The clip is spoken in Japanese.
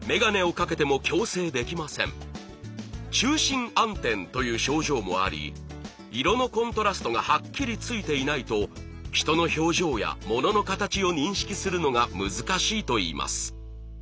「中心暗点」という症状もあり色のコントラストがはっきりついていないと人の表情や物の形を認識するのが難しいといいます。